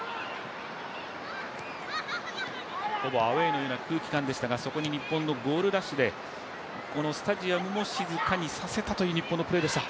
ほぼアウェーのような空気感でしたがそこへ日本のゴールラッシュでこのスタジアムも静かにさせたという日本のプレーでした。